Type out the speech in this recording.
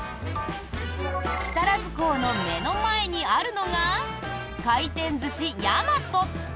木更津港の目の前にあるのが回転寿司やまと。